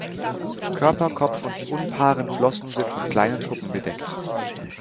Körper, Kopf und die unpaaren Flossen sind von kleinen Schuppen bedeckt.